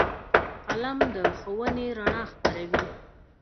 قلم د ښوونې رڼا خپروي